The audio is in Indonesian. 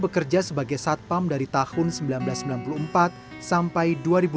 bekerja sebagai satpam dari tahun seribu sembilan ratus sembilan puluh empat sampai dua ribu lima